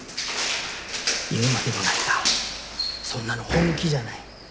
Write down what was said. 言うまでもないがそんなの本気じゃない。